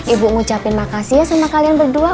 ibu ngucapin makasih ya sama kalian berdua